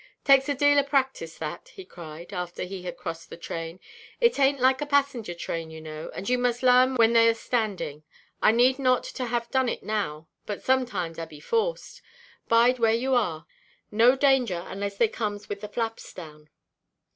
"Takes a deal of practice that," he cried, after he had crossed the train; "it ainʼt like a passenger–train, you know; and you must larn when they are standing. I need not to have done it now, but sometimes I be forced. Bide where you are; no danger unless they comes with the flaps down."